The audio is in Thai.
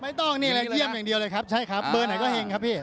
ไม่ต้องนี่เลยเยี่ยมอย่างเดียวเลยครับใช่ครับเบอร์ไหนก็เห็งครับพี่